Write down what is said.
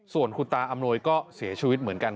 ส่วนคุณตาอำนวยก็เสียชีวิตเหมือนกัน